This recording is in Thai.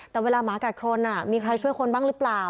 แต่เวลาหมากัดโครนมีใครช่วยคนบ้างหรือเปล่า